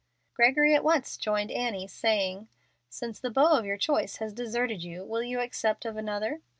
Gregory at once joined Annie, saying, "Since the beau of your choice has deserted you, will you accept of another?"